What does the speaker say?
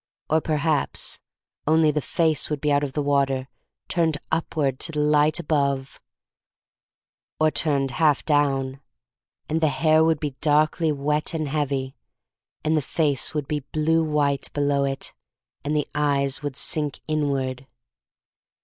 Or perhaps only the face would be out of the water, turned upward to the light above — or turned half down, and the hair would be darkly wet and heavy, and the face would be blue white below it, and the eyes would sink inward.